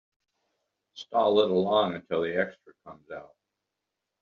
Stall it along until the extra comes out.